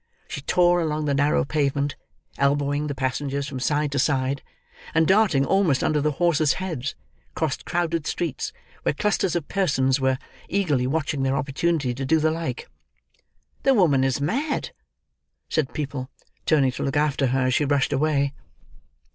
She tore along the narrow pavement: elbowing the passengers from side to side; and darting almost under the horses' heads, crossed crowded streets, where clusters of persons were eagerly watching their opportunity to do the like. "The woman is mad!" said the people, turning to look after her as she rushed away.